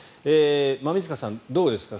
馬見塚さんどうですか。